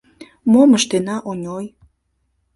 — Мом ыштена, Оньой?